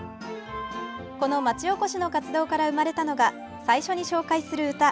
この町おこしの活動から生まれたのが最初に紹介する歌。